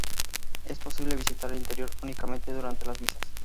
Es posible visitar el interior únicamente durante las misas.